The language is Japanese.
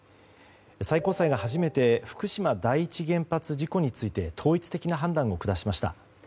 最高裁が初めて福島第一原発事故について統一的な判断を下しました。